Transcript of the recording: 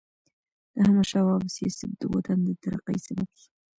د احمدشاه بابا سیاست د وطن د ترقۍ سبب سو.